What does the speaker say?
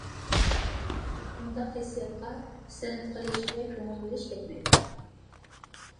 بۇنداق ھېسسىياتقا پىسەنت قىلىش ۋە كۆڭۈل بېرىش كەتمەيدۇ.